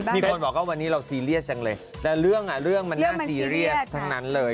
มีคนบอกว่าวันนี้เราซีเรียสจังเลยแต่เรื่องอ่ะเรื่องมันน่าซีเรียสทั้งนั้นเลย